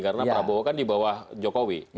karena prabowo kan di bawah jokowi